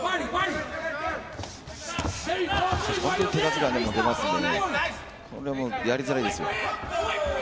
本当に手数が出ますのでやりづらいですよ。